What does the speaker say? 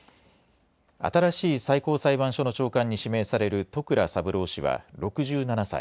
新しい最高裁判所の長官に指名される戸倉三郎氏は６７歳。